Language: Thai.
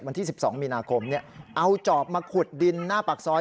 วันที่๑๒มีนาคมเอาจอบมาขุดดินหน้าปากซอย